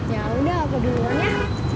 ya udah aku duluan